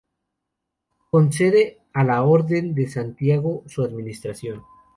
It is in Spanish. Concede a la Orden de Santiago su administración.